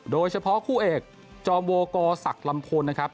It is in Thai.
โดยเฉพาะคู่เอกจอมโวกศักดิ์ลำพลนะครับ